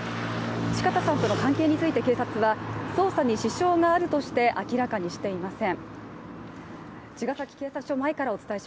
四方さんとの関係について警察は捜査に支障があるとして明らかにしていません。